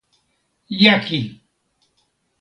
jaki!